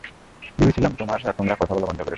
ভেবেছিলাম তোমরা কথা বলা বন্ধ করেছ।